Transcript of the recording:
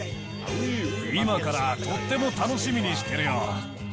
今からとっても楽しみにしてるよ。